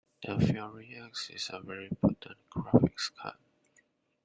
The Fury X is a very potent graphics card.